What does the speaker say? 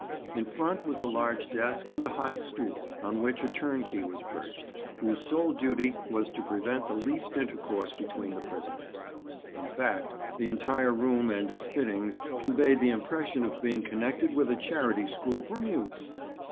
In front was a large desk and a high stool, on which a turnkey was perched, whose sole duty was to prevent the least intercourse between the prisoners; in fact, the entire room and its fittings conveyed the impression of being connected with a charity school for mutes.